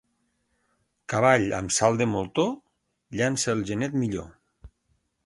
Cavall amb salt de moltó llança el genet millor.